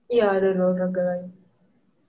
iya dari olahraga lain